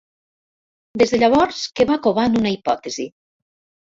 Des de llavors que va covant una hipòtesi.